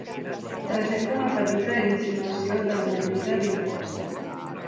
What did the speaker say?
Presenta una petita insinuació de motllura d'imposta.